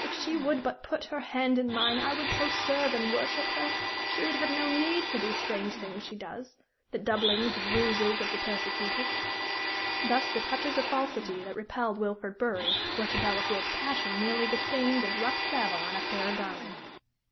If she would but put her hand in mine I would so serve and worship her, she would have no need for these strange things she does the doublings and ruses of the persecuted." Thus the touches of falsity that repelled Wilfrid Bury were to Delafield's passion merely the stains of rough travel on a fair garment.